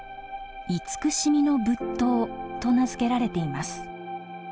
「慈しみの仏塔」と名付けられています。